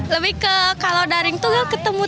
lebih ke kalau daring tuh gak ketemu